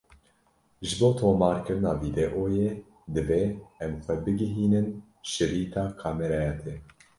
Ji bo tomarkirina vîdeoyê divê em xwe bigihînin şirîta kameraya te.